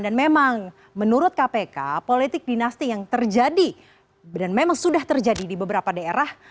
dan memang menurut kpk politik dinasti yang terjadi dan memang sudah terjadi di beberapa daerah